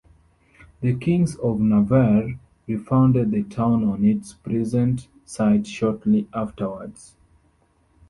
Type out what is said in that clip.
The Kings of Navarre refounded the town on its present site shortly afterwards.